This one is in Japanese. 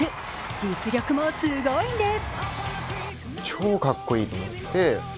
実力もすごいんです。